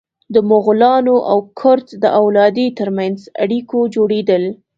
د مغولانو او کرت د اولادې تر منځ اړیکو جوړېدل.